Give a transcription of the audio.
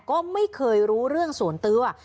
ก็ไม่เคยรู้เรื่องส่วนตัว